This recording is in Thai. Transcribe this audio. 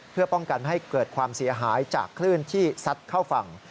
เพื่อป้องกันไม่ให้เกิดความเสียหายจากคลื่นที่ซัดเข้าฝั่ง